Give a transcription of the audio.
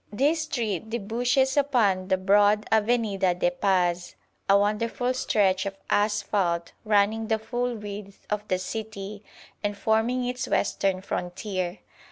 This street debouches upon the broad Avenida de Paz, a wonderful stretch of asphalt running the full width of the city and forming its western frontier.